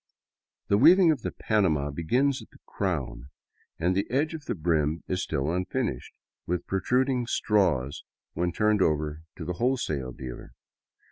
The weaving of the " panama " begins at the crown, and the edge of the brim is still unfinished, with protruding " straws," when turned over to the wholesale dealer.